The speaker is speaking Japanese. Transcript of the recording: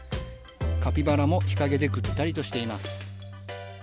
カピバラも日陰でぐったりとしています。